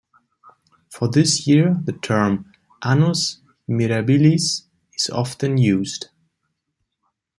For this year the term "annus mirabilis" is often used.